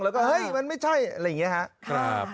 แล้วมันไม่ใช่อะไรอย่างนี้